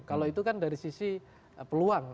kalau itu kan dari sisi peluang